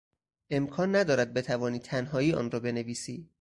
امکان ندارد بتوانی تنهایی آن را بنویسی.